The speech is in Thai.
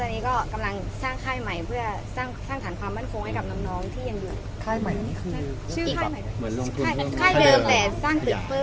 ชื่อค่ายเหมือนค่ายเหมือนค่ายเริ่มแต่สร้างตึกเพิ่มขยายขึ้น